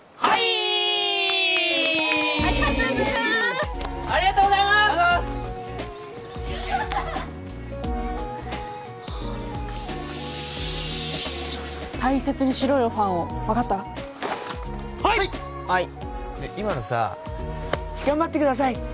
はい！